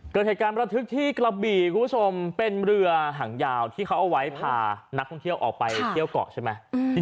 เกิดเหตุการณ์ประทึกที่กระบี่คุณผู้ชมเป็นเรือหางยาวที่เขาเอาไว้พานักท่องเที่ยวออกไปเที่ยวเกาะใช่ไหม